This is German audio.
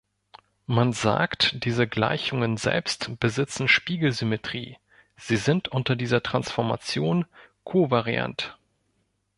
Man sagt, diese Gleichungen selbst besitzen Spiegelsymmetrie, sie sind unter dieser Transformation "kovariant".